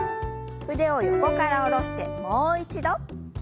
腕を横から下ろしてもう一度。